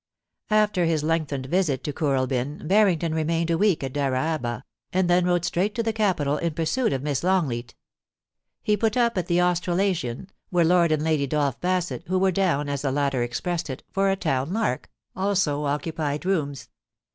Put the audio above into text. After his lengthened visit to Kooralbyn, Barrington re mained a week at Dyraaba, and then rode straight to the capital in pursuit of Miss LongleaL He put up at the Australasian, where Lord and Lady Dolph Bassett, who were down, as the latter expressed it, for a * town lark,' also occupied rooms.